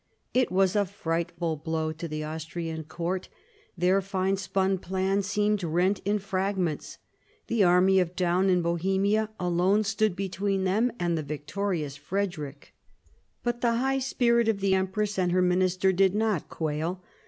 It was a frightful blow to the Austrian court. Their fine spun plan seemed rent in fragments ; the army of Daun in Bohemia alone stood between them and the victorious Frederick. But the high spirit of the empress and of her minister did not quail.